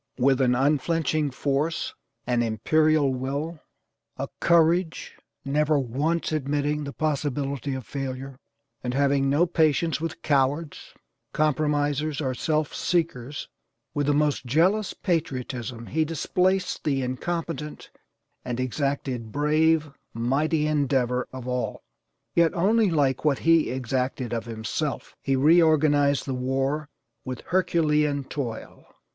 With an unflinching force, an imperial will, a courage never once admitting the possibility of failure, and having no patience with cowards, compromisers or self seekers; with the most jealous patriotism he displaced the incompetent and exacted brave, mighty, endeavor of all, yet only like what he EXACTED OF HIMSELF. He reorganized the war with HERCULEAN TOIL.